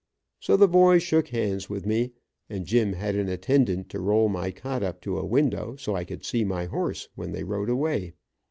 So the boys shook hands with me, and Jim had an attendant to roll my cot up to a window, so I could see my horse when they rode away.